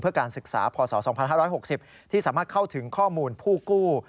เพื่อการศึกษาพศ๒๕๖๐ที่สามารถเข้าถึงข้อมูลผู้กู้